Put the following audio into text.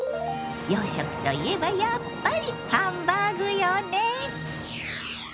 洋食といえばやっぱりハンバーグよね。